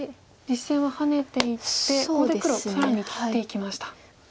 実戦はハネていってここで黒更に切っていきました。